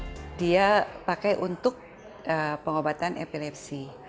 mbutiya pakai untuk pengobatan epilepsi ha com dia